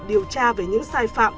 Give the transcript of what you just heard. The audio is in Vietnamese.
điều tra về những sai phạm